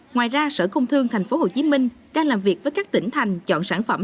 ngoài ra sở công thương tp hcm đang làm việc với các tỉnh thành chọn sản phẩm